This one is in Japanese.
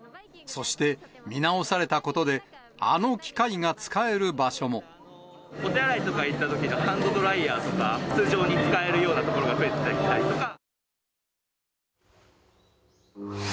そして、見直されたことで、お手洗いとか行ったときのハンドドライヤーとか、通常に使えるような所が増えてたりとか。